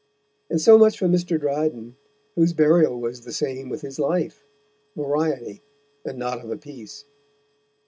And so much for Mr. Dryden, whose Burial was the same with his Life, Variety, and not of a Piece.